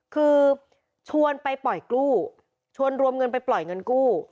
คือชวนไปปล่อยกู้ชวนรวมเงินไปปล่อยเงินกู้